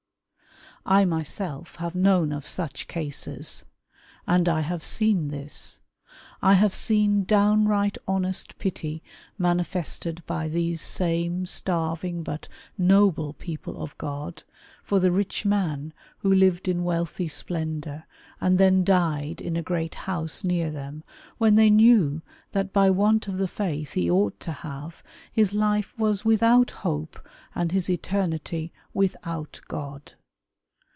I myself have known of such cases. And I have seen this. I have seen downright honest pity manifested by these same starving but noble people of G od for the rich man who lived in wealthy splendour, and then died in a great liouse near them, when they knew that by want of the Faith he ought to have, his life was without hope and his eternity without God.